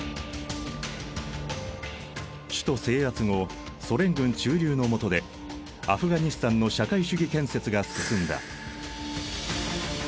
首都制圧後ソ連軍駐留の下でアフガニスタンの社会主義建設が進んだ。